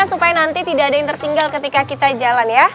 supaya nanti tidak ada yang tertinggal ketika kita jalan ya